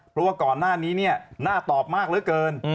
เพราะว่าก่อนหน้านี้เนี่ยน่าตอบมากเหลือเกิน